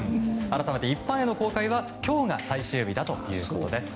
一般への公開は今日が最終日だということです。